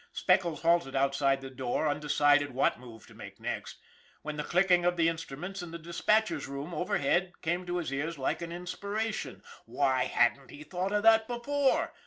Speckles halted outside the door, undecided what move to make next, when the clicking of the instruments in the dis patcher's room overhead came to his ears like an in spiration. Why hadn't he thought of that before?